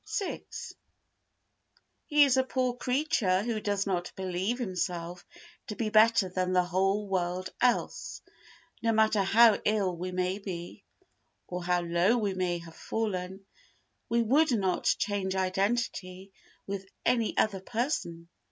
vi He is a poor creature who does not believe himself to be better than the whole world else. No matter how ill we may be, or how low we may have fallen, we would not change identity with any other person.